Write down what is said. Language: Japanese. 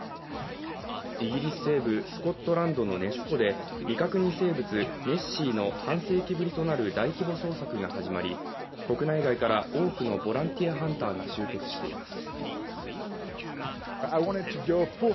イギリス西部スコットランドのネス湖で未確認生物ネッシーの半世紀ぶりとなる大規模捜索が始まり、国内外から多くのボランティアハンターが集結しています。